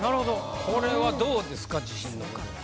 これはどうですか自信のほどは。